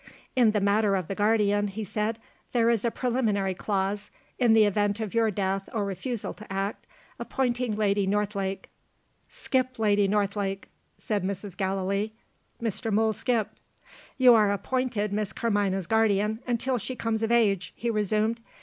"In the matter of the guardian," he said, "there is a preliminary clause, in the event of your death or refusal to act, appointing Lady Northlake " "Skip Lady Northlake," said Mrs. Gallilee. Mr. Mool skipped. "You are appointed Miss Carmina's guardian, until she comes of age," he resumed.